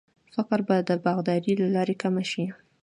فقر به د باغدارۍ له لارې کم شي.